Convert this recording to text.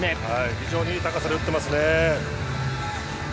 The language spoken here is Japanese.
非常にいい高さで打ってますね。